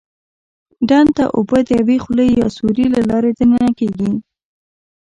ډنډ ته اوبه د یوې خولې یا سوري له لارې دننه کېږي.